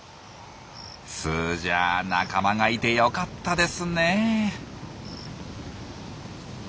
スージャ仲間がいてよかったですねえ。